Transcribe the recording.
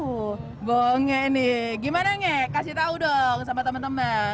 uh gongnya nih gimana ngek kasih tau dong sama teman teman